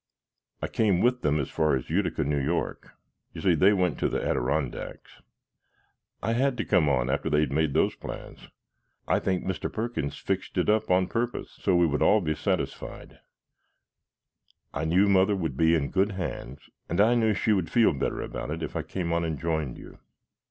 I came with them as far as Utica, N.Y. You see, they went to the Adirondacks. I had to come on after they had made those plans. I think Mr. Perkins fixed it up on purpose, so we would all be satisfied. I knew Mother would be in good hands and I knew she would feel better about it if I came on and joined you."